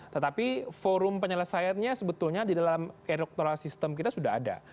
tetapi forum penyelesaiannya sebetulnya di dalam electoral system kita sudah ada